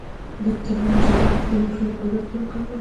د ترنجبین د ماشوم د قبضیت لپاره وکاروئ